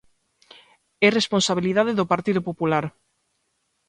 É responsabilidade do Partido Popular.